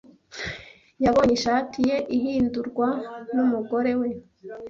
Yabonye ishati ye ihindurwa n’umugore we.